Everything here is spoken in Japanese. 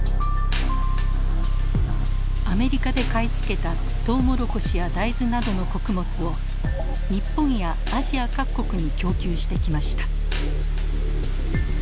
アメリカで買い付けたトウモロコシや大豆などの穀物を日本やアジア各国に供給してきました。